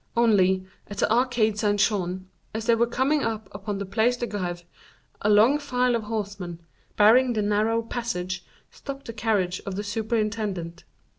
Only, at the arcade Saint Jean, as they were coming out upon the Place de Greve, a long file of horsemen, barring the narrow passage, stopped the carriage of the superintendent.